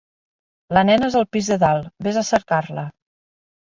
La nena és al pis de dalt: ves a cercar-la.